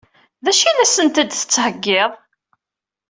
D acu i la sent-d-tettheggiḍ?